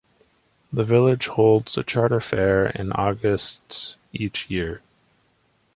The village holds a Charter fair in August each year.